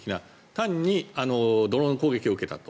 単にドローン攻撃を受けたと。